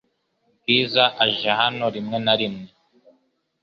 Bwiza aje hano rimwe na rimwe .